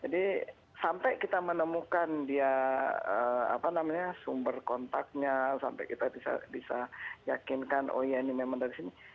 jadi sampai kita menemukan dia apa namanya sumber kontaknya sampai kita bisa yakinkan oh iya ini memang dari sini